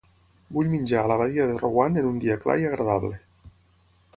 Vull menjar a la badia de Rowan en un dia clar i agradable